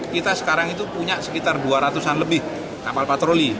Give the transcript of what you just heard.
kita sekarang itu punya sekitar dua ratus an lebih kapal patroli